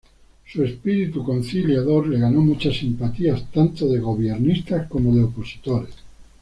Su espíritu conciliador le ganó muchas simpatías, tanto de gobiernistas como de opositores.